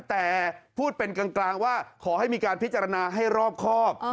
แต่พูดเป็นกลางว่าขอให้มีการพิจารณาให้รอบครอบ